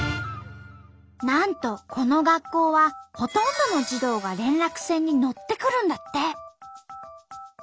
なんとこの学校はほとんどの児童が連絡船に乗って来るんだって。